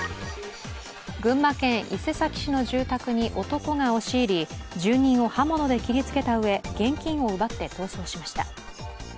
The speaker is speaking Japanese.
群馬県伊勢崎市の住宅に男が押し入り住人を刃物で切りつけたうえ現金を奪って逃走しました。